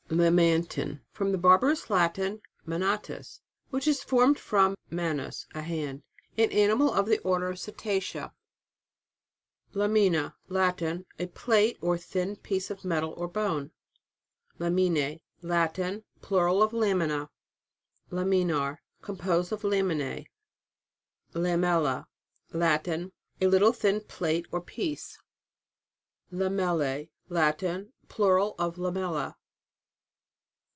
LAMANTIN. From the Barbarous Lat in, manalus, which is formed from manus, a hand. An animal of the Order of Cetacea. (See page 124 ) LAMINA. Latin. A plate, or thin piece of metal or bone. LAMINAE. Latin. Plural of Lamina. LAMINAR. Composed of Laminae. LAMELLA. Latin. A little thin plate or piece. LAMELLAE. Latin. Plural of Lamella.